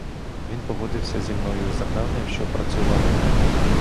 Він погодився зі мною, запевнив, що працюватиме.